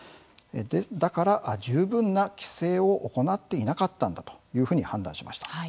だから十分な規制を行っていなかったんだというふうに判断しました。